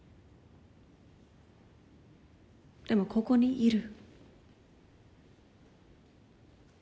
でもここにいる。